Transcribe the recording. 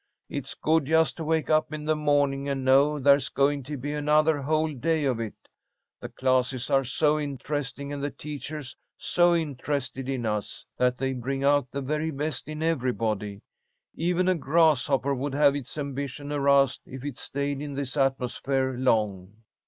"It's good just to wake up in the morning and know there's going to be another whole day of it. The classes are so interesting, and the teachers so interested in us, that they bring out the very best in everybody. Even a grasshopper would have its ambition aroused if it stayed in this atmosphere long."